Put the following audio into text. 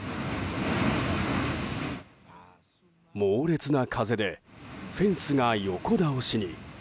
猛烈な風でフェンスが横倒しに。